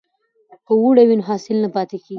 که اوړی وي نو حاصل نه پاتیږي.